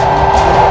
aku sudah menang